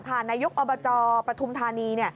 ผ่านนายกอบจปธุมธานี